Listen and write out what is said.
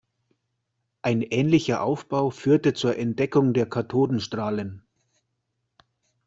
Ein ähnlicher Aufbau führte zur Entdeckung der Kathodenstrahlen.